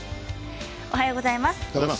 おはようございます。